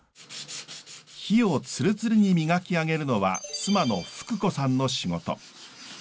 杼をツルツルに磨き上げるのは妻の富久子さんの仕事。